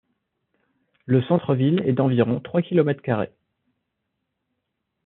Le centre-ville est d'environ trois kilomètres carrés.